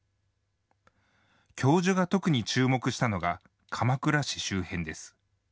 教授が特に注目したのが鎌倉市周辺です。